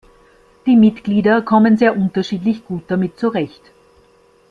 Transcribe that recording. Die Mitglieder kommen sehr unterschiedlich gut damit zurecht.